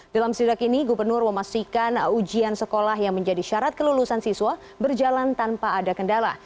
dalam sidak ini gubernur memastikan ujian sekolah yang menjadi syarat kelulusan siswa berjalan tanpa ada kendala